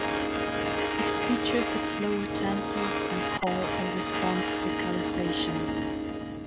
It features a slower tempo and call and response vocalization.